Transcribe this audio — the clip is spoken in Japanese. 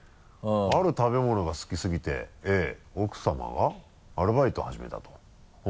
ある食べ物が好きすぎて奥さまがアルバイトを始めたと。